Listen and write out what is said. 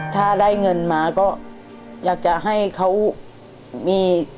ถ้าได้เงินมาก็อยากจะให้เขามี